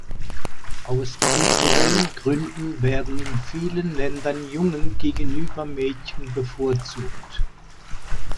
Aus kulturellen Gründen werden in vielen Ländern Jungen gegenüber Mädchen bevorzugt.